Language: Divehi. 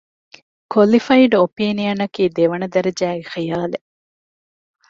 ކޮލިފައިޑް އޮޕީނިއަނަކީ ދެވަނަ ދަރަޖައިގެ ޚިޔާލެއް